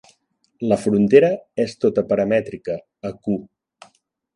La frontera és tota paramètrica a "q".